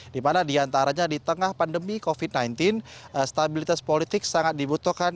dimana diantaranya di tengah pandemi covid sembilan belas stabilitas politik sangat dibutuhkan